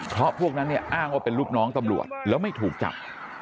เพราะพวกนั้นเนี่ยอ้างว่าเป็นลูกน้องตำรวจแล้วไม่ถูกจับ